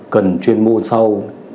cần chuyên môn sâu